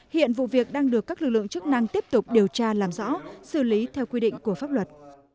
hiện vụ việc đang được các lực lượng chức năng tiếp tục điều tra làm rõ xử lý theo quy định của pháp luật